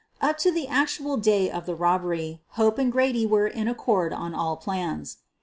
Up to the actual day of the robbery, Hope and Grady were in accord on all plans.